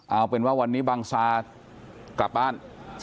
เอาเป็นว่าวันนี้บังซากลับบ้าน